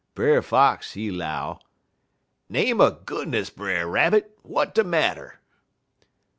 Brer Fox, he 'low: "'Name er goodness, Brer Rabbit! w'at de marter?'